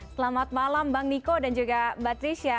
selamat malam bang niko dan juga mbak trisha